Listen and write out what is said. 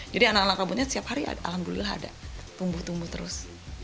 jadi anak anak rambutnya setiap hari alhamdulillah ada tumbuh tumbuh terus